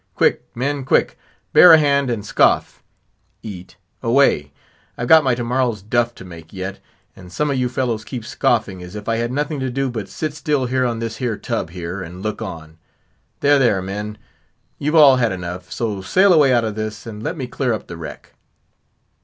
Quick, men, quick; bear a hand, and 'scoff' (eat) away.—I've got my to morrow's duff to make yet, and some of you fellows keep scoffing as if I had nothing to do but sit still here on this here tub here, and look on. There, there, men, you've all had enough: so sail away out of this, and let me clear up the wreck."